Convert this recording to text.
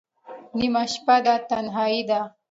نیمه شپه ده تنهایی ده